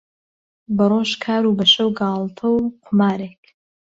بەڕۆژ کار و بەشەو گاڵتە و قومارێک